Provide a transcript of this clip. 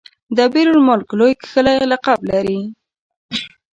دبیر المک لوی کښلی لقب لري.